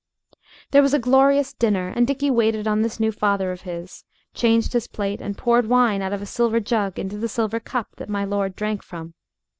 There was a glorious dinner, and Dickie waited on this new father of his, changed his plate, and poured wine out of a silver jug into the silver cup that my lord drank from.